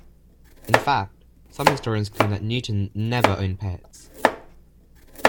In fact, some historians claim that Newton never owned pets.